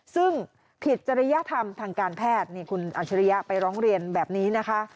ซึ่งผิดจริยธรรมทางการแพทย์นี่คุณอัจฉริยะไปร้องเรียนแบบนี้นะคะ